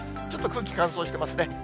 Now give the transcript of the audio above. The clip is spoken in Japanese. ちょっと空気乾燥してますね。